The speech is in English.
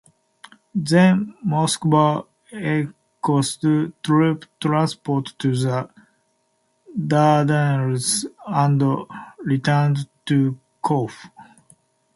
Then "Moskva" escorted troop transports to the Dardanelles and returned to Corfu.